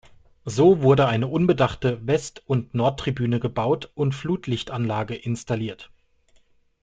So wurde eine unbedachte West- und Nordtribüne gebaut und Flutlichtanlage installiert.